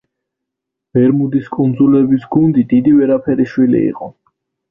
ბერმუდის კუნძულების გუნდი დიდი ვერაფერი შვილი იყო.